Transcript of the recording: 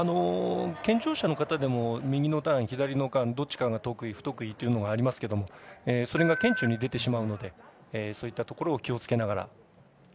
健常者の方でも右のターン、左のターンどっちかが得意、不得意というのがありますがそれが顕著に出てしまうのでそういったところを気をつけながら。